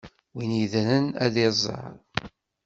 Win yeddren, ad iẓer.